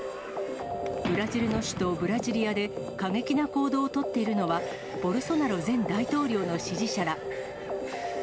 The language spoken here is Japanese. ブラジルの首都ブラジリアで、過激な行動を取っているのは、ボルソナロ前大統領の支持者ら。